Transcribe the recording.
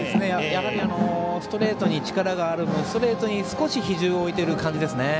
やはりストレートに力がある分ストレートに少し比重を置いてる感じです。